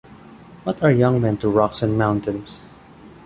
What are young men to rocks and mountains?